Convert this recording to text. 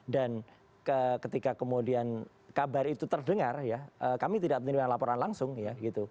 dan ketika kemudian kabar itu terdengar ya kami tidak menerima laporan langsung ya gitu